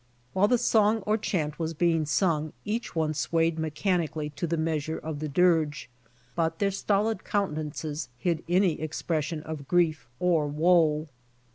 While the song or chant was being sung each one sw^ayed mechanically to the measure of the dirge, but their stolid countenances hid any expression of grief or woe.